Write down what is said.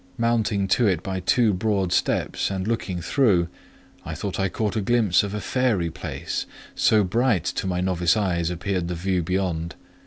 Mounting to it by two broad steps, and looking through, I thought I caught a glimpse of a fairy place, so bright to my novice eyes appeared the view beyond.